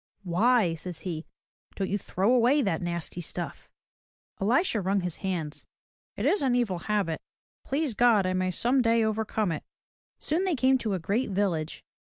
"Why,'' says he, "don't you throw away that nasty stuff?" Elisha wrung his hands. "It is an evil habit. Please God, I may some day overcome it." Soon they came to a great village.